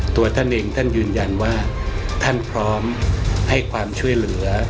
ตัวท่านเองท่านยืนยันว่าท่านพร้อมให้ความช่วยเหลือ